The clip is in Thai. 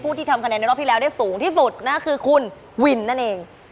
ที่ทำคะแนนในรอบที่แล้วได้สูงที่สุดนะคือคุณวินนั่นเอง